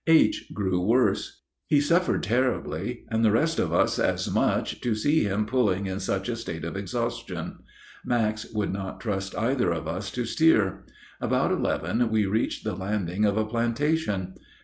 H. grew worse. He suffered terribly, and the rest of us as much to see him pulling in such a state of exhaustion. Max would not trust either of us to steer. About eleven we reached the landing of a plantation.